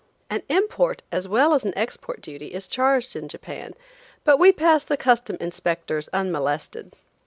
An import as well as an export duty is charged in Japan, but we passed the custom inspectors unmolested.